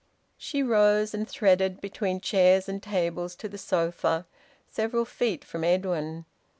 She rose and threaded between chairs and tables to the sofa, several feet from Edwin.